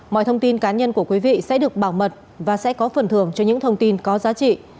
mọi thông tin cá nhân của quý vị sẽ được bảo mật và sẽ có phần thường cho những thông tin có giá trị